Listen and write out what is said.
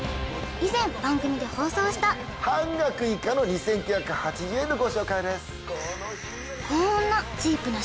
以前番組で放送した半額以下の２９８０円のご紹介です